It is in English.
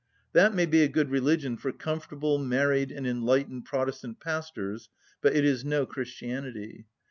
That may be a good religion for comfortable, married, and enlightened Protestant pastors; but it is no Christianity.